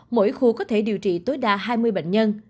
mỗi khu có thể điều trị tối đa hai mươi bệnh nhân